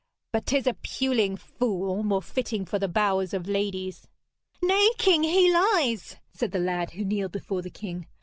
But 'tis a puling fool, more fitting for the bowers of ladies.' 'Nay, king, he lies!' said the lad who kneeled before the king.